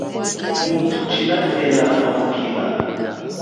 Muthu tshinatela sambukila.